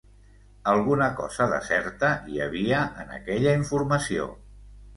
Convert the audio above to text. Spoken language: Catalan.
Alguna cosa de certa hi havia en aquella informació.